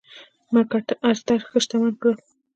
مک ارتر ښه شتمن کړل.